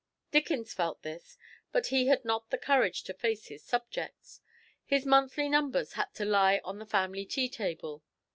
Dickens felt this, but he had not the courage to face his subjects; his monthly numbers had to lie on the family tea table.